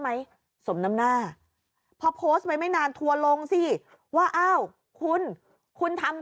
ไหมสมน้ำหน้าพอโพสต์ไว้ไม่นานทัวร์ลงสิว่าอ้าวคุณคุณทำ